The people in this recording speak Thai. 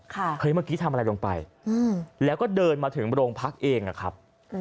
เฮ้ยเมื่อกี้ทำอะไรลงไปแล้วก็เดินมาถึงโรงพักเองอะครับ